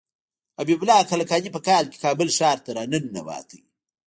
حبیب الله کلکاني په کال کې کابل ښار ته راننوت.